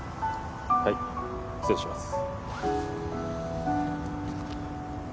はい失礼します